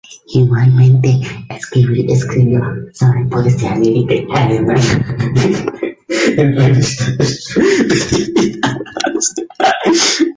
Igualmente escribió sobre poesía lírica alemana en revistas especializadas.